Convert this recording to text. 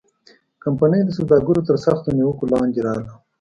کمپنۍ د سوداګرو تر سختو نیوکو لاندې راغله.